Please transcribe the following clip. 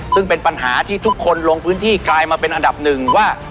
ซึ่งเป็นปัญหาที่ทุกคนลงพื้นที่กลายมาเป็นอันดับหนึ่งว่า